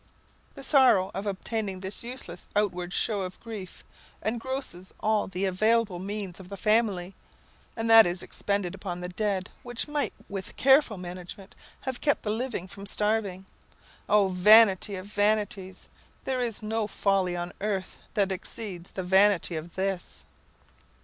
The sorrow of obtaining this useless outward show of grief engrosses all the available means of the family, and that is expended upon the dead which might, with careful management, have kept the living from starving. Oh, vanity of vanities! there is no folly on earth that exceeds the vanity of this!